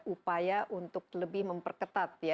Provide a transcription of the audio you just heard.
upaya untuk lebih memperketat